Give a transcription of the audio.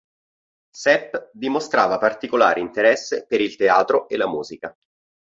Sepp dimostrava particolare interesse per il teatro e la musica.